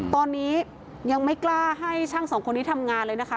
ตอนนี้ยังไม่กล้าให้ช่างสองคนนี้ทำงานเลยนะคะ